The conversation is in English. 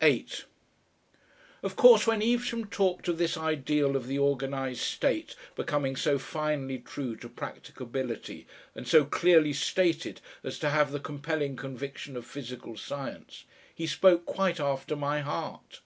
8 Of course, when Evesham talked of this ideal of the organised state becoming so finely true to practicability and so clearly stated as to have the compelling conviction of physical science, he spoke quite after my heart.